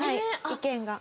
意見が。